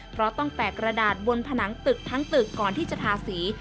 เพราะต้องแตกกระดาษบนผนังตึกทั้งตึกก่อนที่จะทาสี